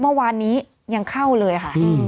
เมื่อวานนี้เวลานี้ยังเข้าเลยหะ